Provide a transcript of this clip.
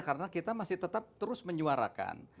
karena kita masih tetap terus menyuarakan